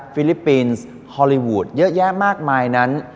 ฟิลิปปินส์ฮอลลีวูดเยอะแยะมากมายนั้น